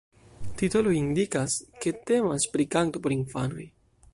Titoloj indikas, ke temas pri kanto por infanoj.